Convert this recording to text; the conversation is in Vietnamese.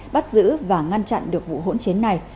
bắt giữ và ngăn chặn được vụ hỗn chiến này